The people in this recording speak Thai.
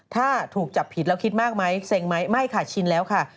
ถ้าถูกจับผิดแล้วคิดมากไหมเซ็งไหมไม่ค่ะชินแล้วค่ะ